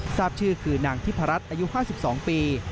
ทราบชื่อคือนางทิพรัชอายุ๕๒ปี